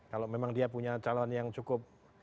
kalau memang dia punya calon yang cukup